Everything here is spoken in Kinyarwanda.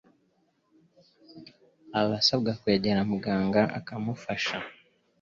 aba asabwa kwegera muganga akamufasha.